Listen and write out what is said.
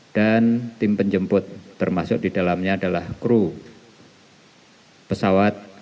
dan tim penjemput termasuk di dalamnya adalah kru pesawat